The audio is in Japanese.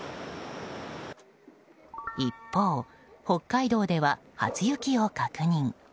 一方、北海道では初雪を確認。